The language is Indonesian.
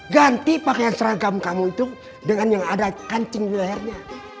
ganti pakaian seragam kamu itu dengan yang ada kancing di layarnya